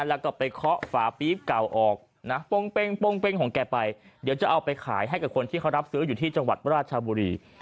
แล้วก็ไปเคาะฝาปี๊บเก่าออกนะป้งเป้งของแกไปเดี๋ยวจะเอาไปขายให้กับคนที่เขารับซื้ออยู่ที่จังหวัดราชบุรี